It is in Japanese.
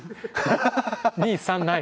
２３ない？